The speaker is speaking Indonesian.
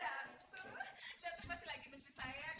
datuk masih lagi mimpi saya kan